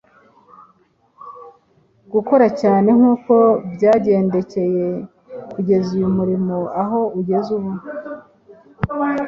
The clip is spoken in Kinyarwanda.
gukora cyane nk’uko byangendekeye kugeza uyu umurimo aho ugeze ubu.